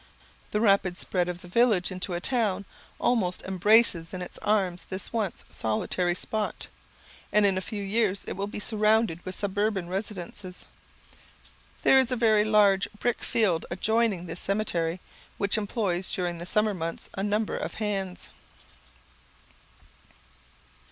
The rapid spread of the village into a town almost embraces in its arms this once solitary spot, and in a few years it will be surrounded with suburban residences. There is a very large brick field adjoining this cemetery, which employs during the summer months a number of hands.